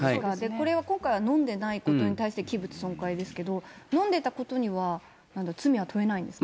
これが今回、飲んでないことに対して、器物損壊ですけど、飲んでたことには、罪は問えないんですか？